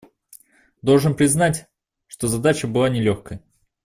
Должен признать, что задача была нелегкой.